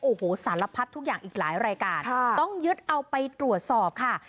โอ้โหสารพัดทุกอย่างอีกหลายรายการต้องยึดเอาไปตรวจสอบค่ะ